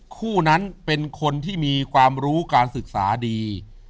คู่นั้นเป็นคนที่มีความรู้การศึกษาดี